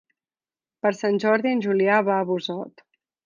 Per Sant Jordi en Julià va a Busot.